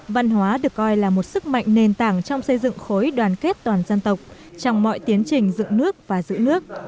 văn hóa được coi là một sức mạnh nền tảng trong xây dựng khối đoàn kết toàn dân tộc trong mọi tiến trình dựng nước và giữ nước